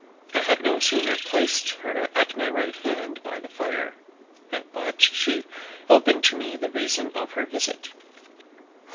I had no sooner placed her at my right hand by the fire, but she opened to me the reason of her visit.